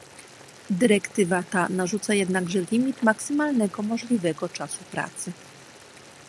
Dyrektywa ta narzuca jednakże limit maksymalnego możliwego czasu pracy